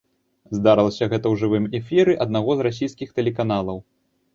Здарылася гэта ў жывым эфіры аднаго з расійскіх тэлеканалаў.